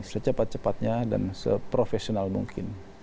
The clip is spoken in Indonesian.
secepat cepatnya dan seprofesional mungkin